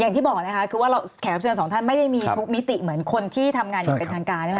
อย่างที่บอกนะคะแขกรับเสือนสองท่านไม่ได้มีพวกมิติเหมือนคนที่ทำงานอย่างเป็นทางการ